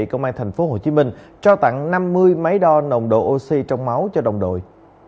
công an tp hcm trao tặng năm mươi máy đo nồng độ oxy trong máu cho đồng đội